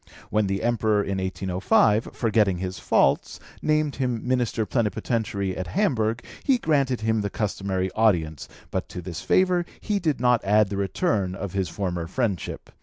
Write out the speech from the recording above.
When the Emperor, in 1805, forgetting his faults, named him Minister Plenipotentiary at Hamburg, he granted him the customary audience, but to this favour he did not add the return of his former friendship.